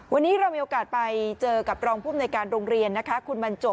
วันนี้เรามีโอกาสไปเจอกับรองผู้อำนวยการโรงเรียน